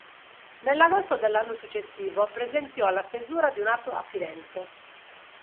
Nell'agosto dell'anno successivo presenziò alla stesura di un atto a Firenze.